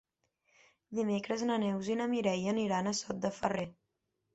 Dimecres na Neus i na Mireia aniran a Sot de Ferrer.